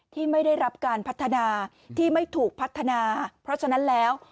ที่ไม่ได้รับการพัฒนาที่ไม่ถูกพัฒนาเพราะฉะนั้นแล้ว